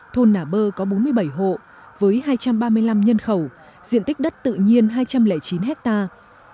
thôn nà bơ có bốn mươi bảy hộ với hai trăm ba mươi năm nhân khẩu diện tích đất tự nhiên hai trăm linh chín hectare